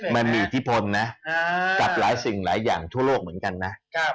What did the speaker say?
มันมีอิทธิพลนะกับหลายสิ่งหลายอย่างทั่วโลกเหมือนกันนะ